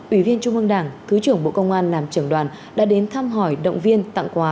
ủy viên trung ương đảng thứ trưởng bộ công an làm trưởng đoàn đã đến thăm hỏi động viên tặng quà